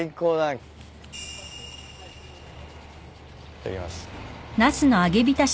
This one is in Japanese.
いただきます。